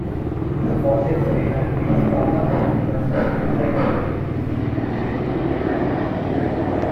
For this reason, it is often referred to as the suicide protein.